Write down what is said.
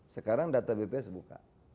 sekarang data bps buka